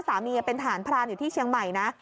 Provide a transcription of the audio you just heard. สามีเป็นทหารพรานอยู่ที่เชียงใหม่นะ